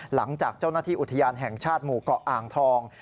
หลังจากเจ้าหน้าที่อุทยานแห่งชาติหมู่เกาะอ่างทอง